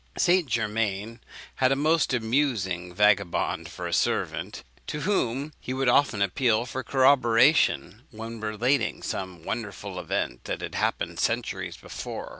St. Germain had a most amusing vagabond for a servant, to whom he would often appeal for corroboration, when relating some wonderful event that happened centuries before.